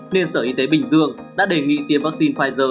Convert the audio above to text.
nên sở y tế bình dương đã đề nghị tiêm vaccine pfizer